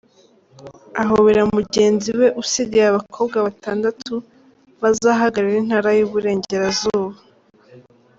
Ahobera mugenzi we usigayeAbakobwa batandatu bazahagararira Intara y'Uburengerazuba.